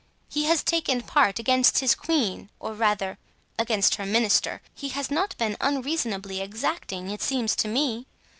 He has taken part against his queen, or rather, against her minister. He has not been unreasonably exacting, it seems to me.